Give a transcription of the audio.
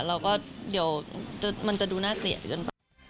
เราก็เดี๋ยวมันจะดูน่าเกลียดเกินไป